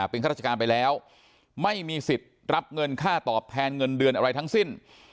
เป็นข้าราชการไปแล้วไม่มีสิทธิ์รับเงินค่าตอบแทนเงินเดือนอะไรทั้งสิ้น